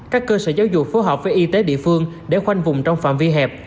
các cơ sở giáo dục phối hợp với y tế địa phương để khoanh vùng trong phạm vi hẹp